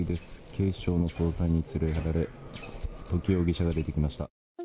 警視庁の捜査員に連れられ、土岐容疑者が出てきました。